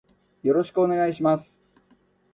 よろしくお願いします。